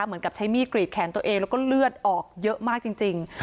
เหมือนกับใช้มีดกรีดแขนตัวเองแล้วก็เลือดออกเยอะมากจริง